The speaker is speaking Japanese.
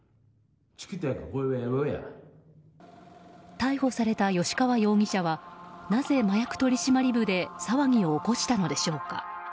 逮捕された吉川容疑者はなぜ麻薬取締部で騒ぎを起こしたのでしょうか。